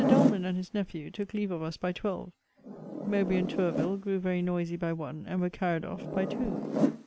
Doleman and his nephew took leave of us by twelve, Mowbray and Tourville grew very noisy by one, and were carried off by two.